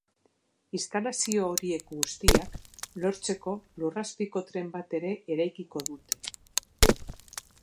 Instalazio horiek guztiak lotzeko lurrazpiko tren bat ere eraikiko dute.